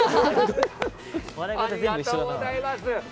ありがとうございます。